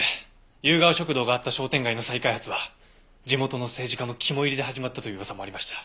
ゆうがお食堂があった商店街の再開発は地元の政治家の肝煎りで始まったという噂もありました。